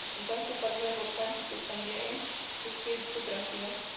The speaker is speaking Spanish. Entonces aparecía el volcán que escondía en su espíritu tranquilo".